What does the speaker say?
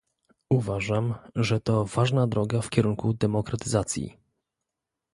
Uważam, że to ważna droga w kierunku demokratyzacji